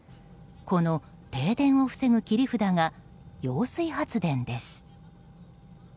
この停電を防ぐ切り札が揚水発電です。